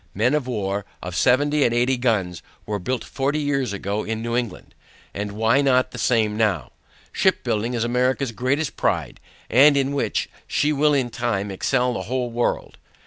Men of war, of seventy and eighty guns were built forty years ago in New England, and why not the same now? Ship building is America's greatest pride, and in which, she will in time excel the whole world.